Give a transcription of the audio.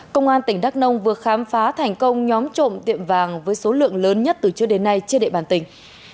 công an tỉnh đắk nông vừa khám phá thành công nhóm trộm tiệm vàng với số lượng lớn nhất từ trước đến nay trên địa bàn tỉnh